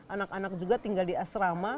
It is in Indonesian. anak anak juga tinggal di asrama